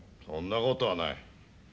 そんな事はない。